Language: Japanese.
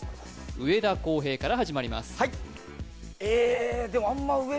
上田航平から始まりますええ